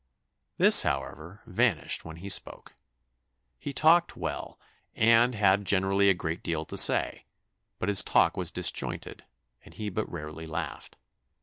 This, however, vanished when he spoke. He talked well, and had generally a great deal to say; but his talk was disjointed, and he but rarely laughed.